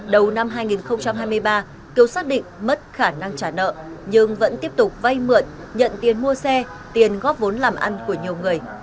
đầu năm hai nghìn hai mươi ba kiều xác định mất khả năng trả nợ nhưng vẫn tiếp tục vay mượn nhận tiền mua xe tiền góp vốn làm ăn của nhiều người